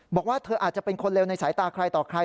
บอกว่าเธออาจจะเป็นคนเลวในสายตาใครต่อใคร